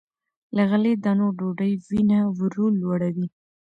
له غلې- دانو ډوډۍ وینه ورو لوړوي.